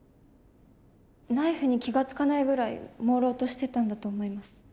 ナイフに気が付かないぐらいもうろうとしてたんだと思います。